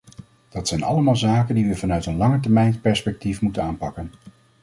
Dat zijn allemaal zaken die we vanuit een langetermijnperspectief moeten aanpakken.